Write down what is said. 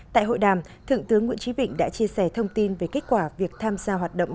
tại hội đàm thượng tướng nguyễn trí vịnh đã chia sẻ thông tin về kết quả việc tham gia hoạt động